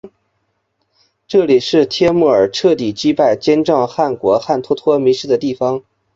这里是帖木儿彻底击败金帐汗国汗脱脱迷失的地方。